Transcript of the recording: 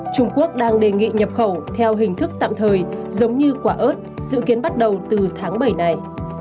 trung quốc đang đề nghị nhập khẩu theo hình thức tạm thời giống như quả ớt dự kiến bắt đầu từ tháng bảy này